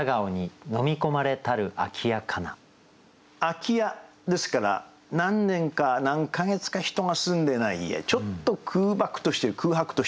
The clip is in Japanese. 「空家」ですから何年か何か月か人が住んでない家ちょっと空白としてる。